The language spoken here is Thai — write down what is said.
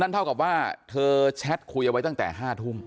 เท่ากับว่าเธอแชทคุยเอาไว้ตั้งแต่๕ทุ่ม